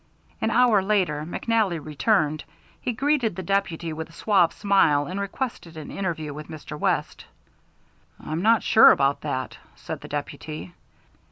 An hour later McNally returned. He greeted the deputy with a suave smile, and requested an interview with Mr. West. "I'm not sure about that," said the deputy.